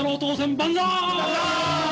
万歳！